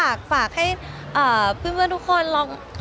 ไม่ทราบจริงแล้วก็ไม่รู้ว่ามันกระทบคนขนาดนี้